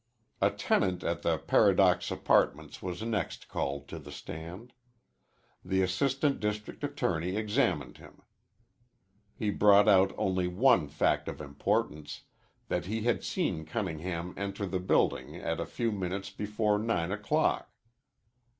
A tenant at the Paradox Apartments was next called to the stand. The assistant district attorney examined him. He brought out only one fact of importance that he had seen Cunningham enter the building at a few minutes before nine o'clock.